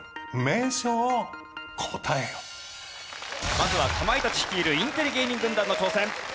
まずはかまいたち率いるインテリ芸人軍団の挑戦。